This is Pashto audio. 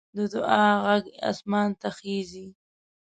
د دعا غږ اسمان ته خېژي